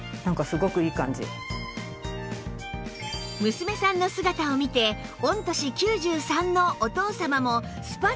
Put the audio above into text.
娘さんの姿を見て御年９３のお父さまもスパッツを試着